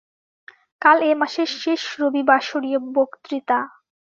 কাল এ-মাসের শেষ রবিবাসরীয় বক্তৃতা।